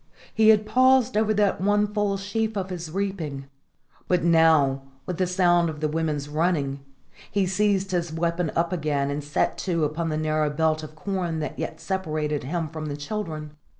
He had paused over that one full sheaf of his reaping; but now, with the sound of the women's running, he seized his weapon again and set to upon the narrow belt of corn that yet separated him from the children.